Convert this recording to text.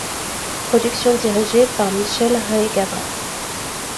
Productions dirigée par Michèle Ray-Gavras.